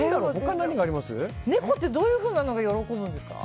猫ってどういうふうなのが喜ぶんですか。